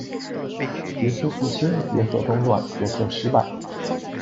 角色不清角色中断角色失败